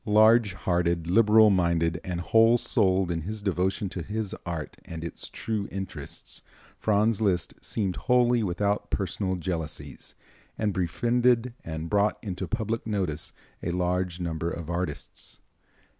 Large hearted, liberal minded, whole souled in his devotion to his art and its true interests, Franz Liszt seemed wholly without personal jealousies, and befriended and brought into public notice a large number of artists.